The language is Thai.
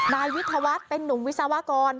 นายวิทยาวัฒน์เป็นนุ่มวิศวกร